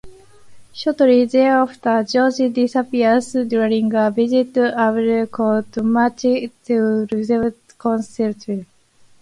Shortly thereafter, George disappears during a visit to Audley Court, much to Robert's consternation.